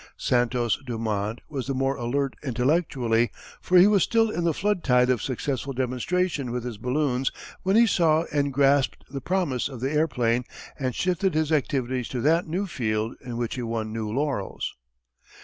Santos Dumont was the more alert intellectually for he was still in the flood tide of successful demonstration with his balloons when he saw and grasped the promise of the airplane and shifted his activities to that new field in which he won new laurels.